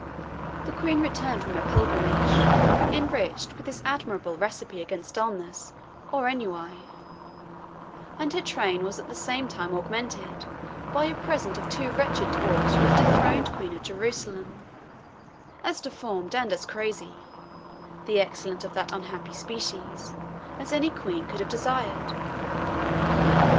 The Queen returned from her pilgrimage enriched with this admirable recipe against dullness or ennui; and her train was at the same time augmented by a present of two wretched dwarfs from the dethroned Queen of Jerusalem, as deformed and as crazy (the excellence of that unhappy species) as any Queen could have desired.